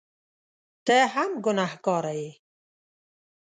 ته هم ګنهکاره یې !